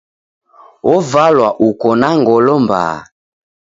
Ovalwa uko na ngolo mbaa.